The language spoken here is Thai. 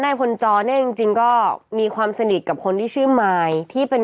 พลจอเนี่ยจริงก็มีความสนิทกับคนที่ชื่อมายที่เป็น